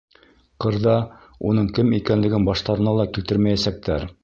Ҡырҙа уның кем икәнлеген баштарына ла килтермәйәсәктәр.